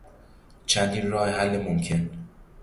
چندین راه حل ممکن